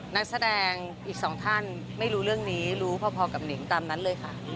นักแสดงอีกสองท่านไม่รู้เรื่องนี้รู้พอกับหนิงตามนั้นเลยค่ะ